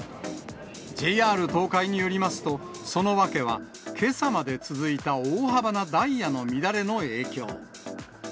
ＪＲ東海によりますと、その訳は、けさまで続いた大幅なダイヤの乱れの影響。